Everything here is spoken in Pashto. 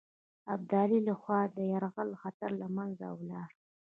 ابدالي له خوا د یرغل خطر له منځه ولاړ.